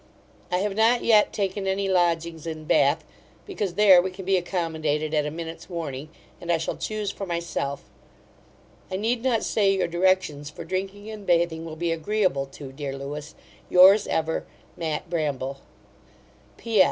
I have not yet taken any lodgings in Bath; because there we can be accommodated at a minute's warning, and I shall choose for myself I need not say your directions for drinking and bathing will be agreeable to, Dear Lewis, Yours ever, MAT. BRAMBLE P.S.